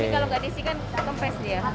cumi kalau gak disi kan kempes dia